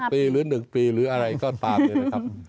ปีหรือ๑ปีหรืออะไรก็ตามเลยนะครับ